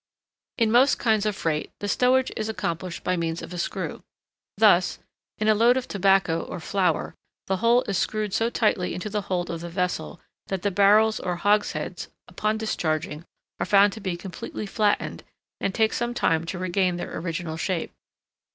In most kinds of freight the stowage is accomplished by means of a screw. Thus, in a load of tobacco or flour, the whole is screwed so tightly into the hold of the vessel that the barrels or hogsheads, upon discharging, are found to be completely flattened, and take some time to regain their original shape.